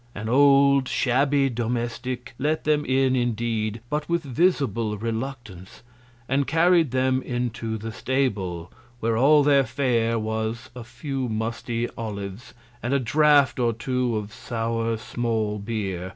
An old, shabby Domestick let them in indeed, but with visible Reluctance, and carried them into the Stable, where all their Fare was a few musty Olives, and a Draught or two of sower small Beer.